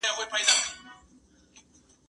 کېدای سي سفر ستونزي ولري؟!